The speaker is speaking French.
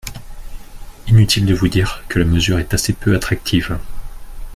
Inutile de vous dire que la mesure est assez peu attractive.